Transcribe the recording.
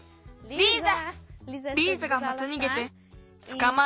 リーザ！